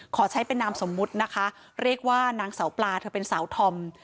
ขอใช้เป็นนามสมมุตินะคะเรียกว่านางสาวปลาเธอเป็นสาวธอม